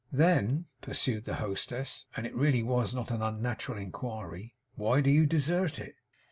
'Then,' pursued the hostess and it really was not an unnatural inquiry 'why do you desert it?